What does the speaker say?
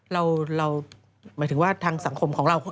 หมายถึงว่าทางสังคมของเรา